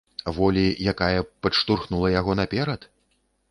Волі, якая б падштурхнула яго наперад?